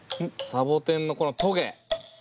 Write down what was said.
サボテンのこのトゲ。